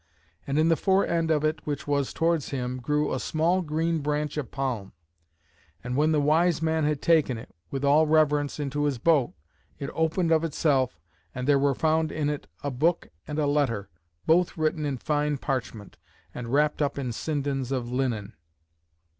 And in the fore end of it, which was towards him, grew a small green branch of palm; and when the wise man had taken it, with all reverence, into his boat, it opened of itself, and there were found in it a Book and a Letter; both written in fine parchment, and wrapped in sindons of linen.